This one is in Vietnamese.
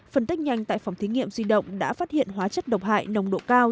phân tích nhanh tại phòng thí nghiệm di động đã phát hiện hóa chất độc hại nồng độ cao